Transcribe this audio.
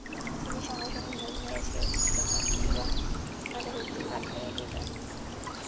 তিনি সঙ্গে সঙ্গে মদীনায় এসে উপস্থিত হন এবং আদালতের কাঠগড়ায় গিয়ে দাঁড়ান।